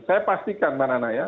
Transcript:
saya pastikan mbak nana ya